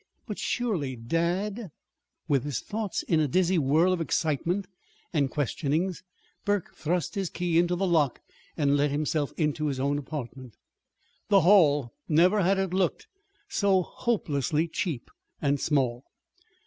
But, surely, dad With his thoughts in a dizzy whirl of excitement and questionings, Burke thrust his key into the lock and let himself into his own apartment. The hall never had it looked so hopelessly cheap and small.